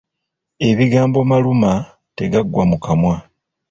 Ebigambo maluma tegaggwa mu kamwa.